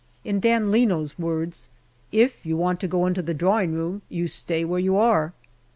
In Dan Leno's words, " If you want to go into the drawing room you stay where you are